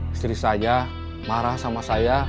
istri saya marah sama saya